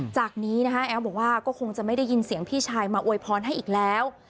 จากนี้นะคะแอ๋วบอกว่าก็คงจะไม่ได้ยินเสียงพี่ชายมาอวยพรให้อีกแล้ว